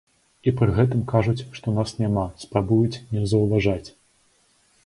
І пры гэтым кажуць, што нас няма, спрабуюць не заўважаць.